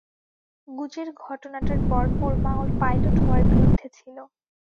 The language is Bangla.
গুজের ঘটনাটার পর, ওর মা ওর পাইলট হওয়ার বিরুদ্ধে ছিল।